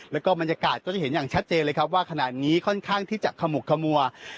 แล้วก็บรรยากาศก็จะเห็นอย่างชัดเจนเลยครับว่าขณะนี้ค่อนข้างที่จะขมุกขมัว